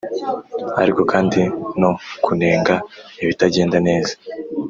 ariko kandi no kunenga ibitagenda neza